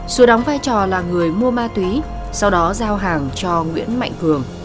sùa đóng vai trò là người mua ma túy sau đó giao hàng cho nguyễn mạnh cường